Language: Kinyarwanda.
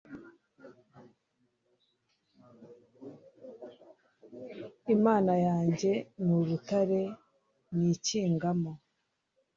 imana yanjye ni urutare nikingamo